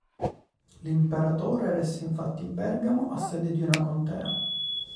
L'imperatore eresse infatti Bergamo a sede di una contea.